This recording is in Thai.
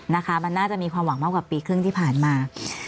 นะคะมันน่าจะมีความหวังมากกว่าปีครึ่งที่ผ่านมา